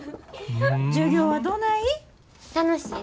授業はどない？